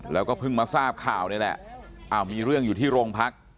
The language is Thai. แล้วก็เพิ่งมาทราบข่าวนี่แหละอ้าวมีเรื่องอยู่ที่โรงพัก